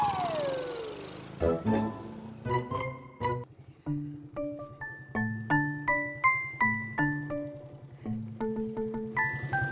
gak ini baru gue